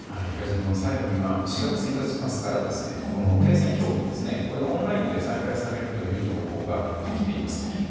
東野さん、最後に４月１日、明日から停戦協議がオンラインで再開されるという情報が入ってきています。